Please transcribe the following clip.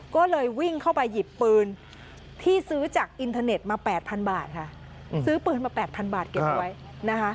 ก็เลยวิ่งเข้าไปหยิบปืนที่ซื้อจากอินเทอร์เน็ตมา๘๐๐บาทค่ะซื้อปืนมาแปดพันบาทเก็บไว้นะคะ